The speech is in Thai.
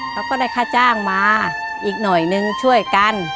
เขาก็ได้ค่าจ้างมาอีกหน่อยนึงช่วยกัน